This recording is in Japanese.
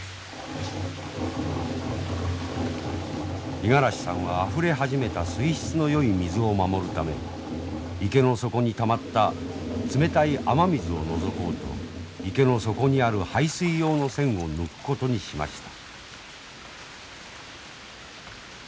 五十嵐さんはあふれ始めた水質のよい水を守るため池の底にたまった冷たい雨水を除こうと池の底にある排水用の栓を抜くことにしました。